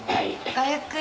ごゆっくり。